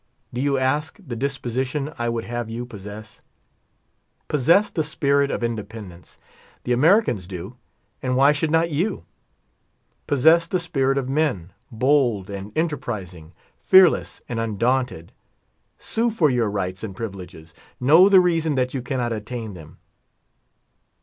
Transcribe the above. Do you ask the disposition I would have you possess? Possess the spirit of inde pendence. The Americans do, and why should not you? Possess the spirit of men, bold and enterprising, fearless and undaunted. Sue for your rights and privileges. Know the reason that you cannot attain them.